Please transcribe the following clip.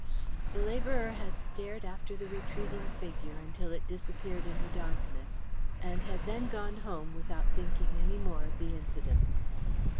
The labourer had stared after the retreating figure until it disappeared in the darkness, and had then gone home without thinking any more of the incident.